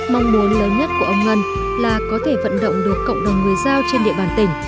mong muốn lớn nhất của ông ngân là có thể vận động được cộng đồng người giao trên địa bàn tỉnh